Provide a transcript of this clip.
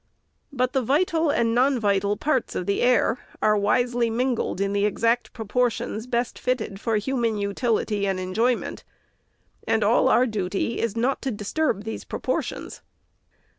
But the vital and the non vital parts of the air are wisely mingled in the exact proportions, best fitted for human utility and enjoyment ; 438 REPORT OP THE SECRETARY and all our duty is not to disturb these proportions.